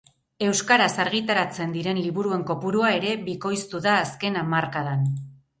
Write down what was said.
Euskaraz argitaratzen diren liburuen kopurua ere bikoiztu da azken hamarkadan.